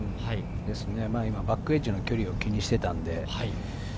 バックエッジの距離を気にしていたので。